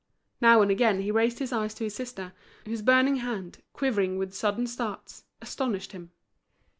Now and again he raised his eyes to his sister, whose burning hand, quivering with sudden starts, astonished him.